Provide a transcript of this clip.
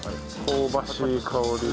香ばしい香りが。